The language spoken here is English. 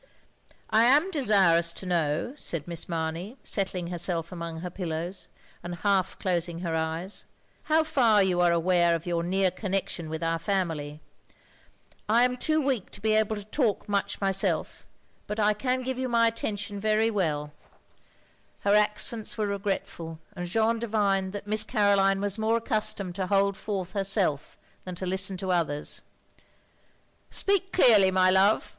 "I am desirous to know," said Miss Mamey, settling herself among her pillows, and half closing her eyes, " how far you are aware of your near connection with our family. I am too weak to be able to talk much myself, but I can give you my attention very well. " Her accents OF GROSVENOR SQUARE 25 were regretful, and Jeanne divined that Miss Caroline was more accustomed to hold forth herself than to listen to others. Speak clearly, my love.